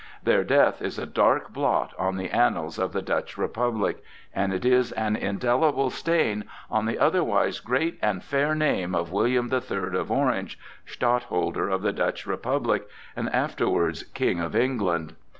Their death is a dark blot on the annals of the Dutch Republic: and it is an indelible stain on the otherwise great and fair name of William the Third of Orange, Stadtholder of the Dutch Republic and afterwards King of England.